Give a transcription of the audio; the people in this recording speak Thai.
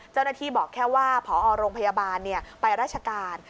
เจ้าหน้าที่บอกแค่ว่าพอโรงพยาบาลไปราชการ